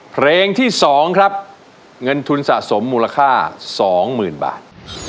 เพลงที่๒ครับเงินทุนสะสมมูลค่า๒๐๐๐บาท